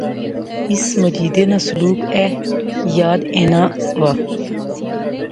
اس مجیدے ناں سلوک ایہہ یاد اینا وہا